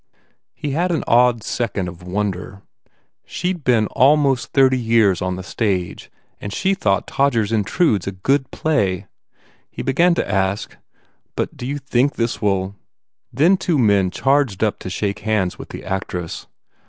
He had an awed second of wonder. She d been almost thirty years on the stage and she thought "Todgers Intrudes" a good play! He began to say, "But, do you think this will " Then two men charged up to shake hands with the actress.